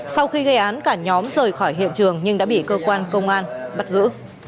sau khi gây án cả nhóm rời khỏi hiện trường nhưng đã bị cơ quan công an bắt giữ